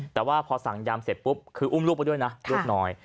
แต่ว่าพอสั่งยำเสร็จปุ๊บคืออุ้มลูกไปด้วยนะลูกน้อย